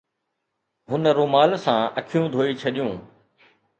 هن رومال سان اکيون ڌوئي ڇڏيون.